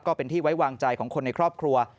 ก็เป็นที่ไว้วางใจของคนในครอบครัว